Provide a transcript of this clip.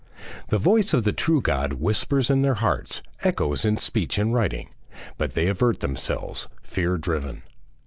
The voice of the true God whispers in their hearts, echoes in speech and writing, but they avert themselves, fear driven.